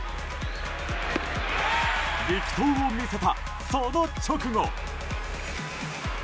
力投を見せたその直後。